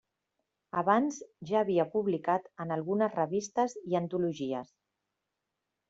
Abans ja havia publicat en algunes revistes i antologies.